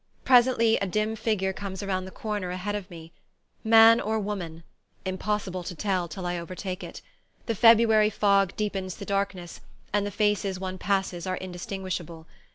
Presently a dim figure comes around the corner ahead of me. Man or woman? Impossible to tell till I overtake it. The February fog deepens the darkness, and the faces one passes are indistinguishable.